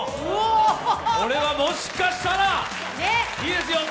これはもしかしたらいいですよ。